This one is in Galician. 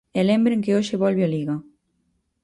E lembren que hoxe volve a Liga.